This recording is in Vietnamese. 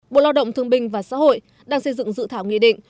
bộ lao động thương binh và xã hội đang xây dựng dự thảo nghị định